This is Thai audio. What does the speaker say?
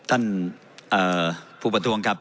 ท่านอ่าผู้ประทุ่งครับ